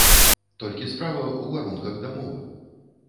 Толькі справа ў варунках дамовы.